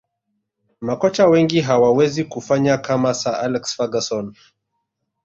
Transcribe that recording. makocha wengi hawawezi kufanya kama sir alex ferguson